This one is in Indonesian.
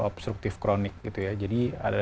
obstruktif kronik gitu ya jadi ada